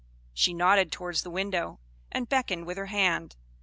She nodded towards the window, and beckoned with her hand.